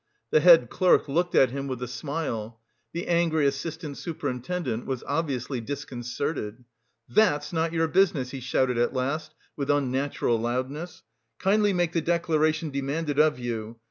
The head clerk looked at him with a smile. The angry assistant superintendent was obviously disconcerted. "That's not your business!" he shouted at last with unnatural loudness. "Kindly make the declaration demanded of you.